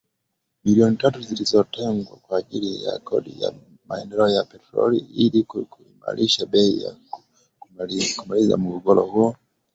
milioni tatu zilizotengwa kwa ajili ya Kodi ya Maendeleo ya Petroli ili kuimarisha bei na kumaliza mgogoro huo